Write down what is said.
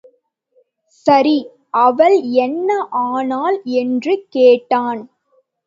சரி, அவள் என்ன ஆனாள்? என்று கேட்டான்.